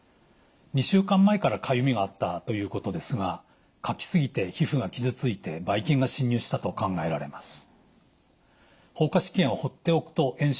２週間前からかゆみがあったということですがかき過ぎて皮膚が傷ついてばい菌が侵入したと考えられます。